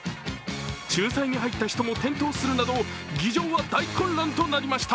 仲裁に入った人も転倒するなど議場は大混乱となりました。